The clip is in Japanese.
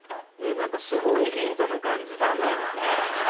何かすごいヒントの感じするなええ？